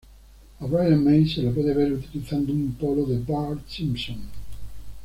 A Brian May se le puede ver utilizando un polo de Bart Simpson.